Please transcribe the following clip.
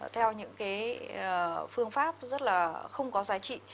theo những cái phương pháp rất là không có giá trị